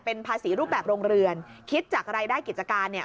เป็นภาษีรูปแบบโรงเรือนคิดจากรายได้กิจการเนี่ย